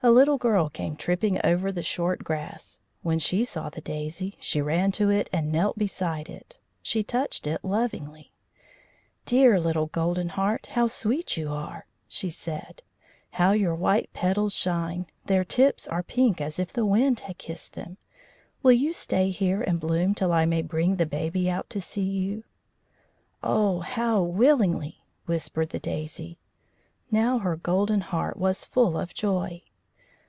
A little girl came tripping over the short grass. When she saw the daisy she ran to it and knelt beside it. She touched it lovingly. "Dear little Golden Heart, how sweet you are!" she said. "How your white petals shine! Their tips are pink, as if the wind had kissed them. Will you stay here and bloom till I may bring the baby out to see you?" "Oh, how willingly!" whispered the daisy. Now her golden heart was full of joy.